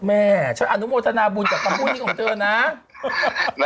แม่ฉันอนุโมทนาบุญกับคำพูดนี้ของเธอนะ